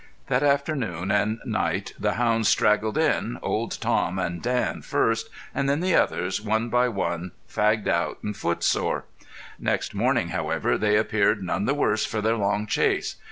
That afternoon and night the hounds straggled in, Old Tom and Dan first, and then the others, one by one, fagged out and foot sore. Next morning, however, they appeared none the worse for their long chase.